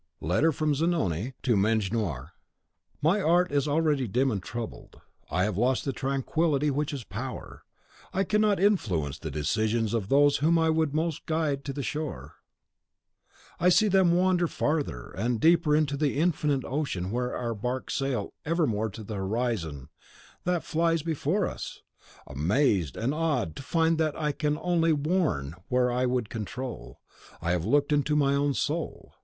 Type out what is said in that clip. Letter from Zanoni to Mejnour. My art is already dim and troubled. I have lost the tranquillity which is power. I cannot influence the decisions of those whom I would most guide to the shore; I see them wander farther and deeper into the infinite ocean where our barks sail evermore to the horizon that flies before us! Amazed and awed to find that I can only warn where I would control, I have looked into my own soul.